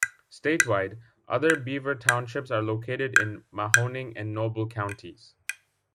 Statewide, other Beaver Townships are located in Mahoning and Noble counties.